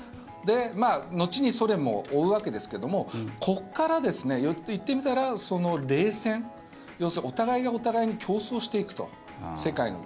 後にソ連も追うわけですがここから言ってみたら、冷戦要するにお互いがお互いに競争していくと。